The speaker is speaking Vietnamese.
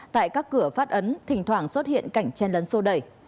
tại các cửa phát ấn thỉnh thoảng xuất hiện cảnh chen lấn sô đẩy